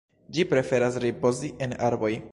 Ĝi preferas ripozi en arboj.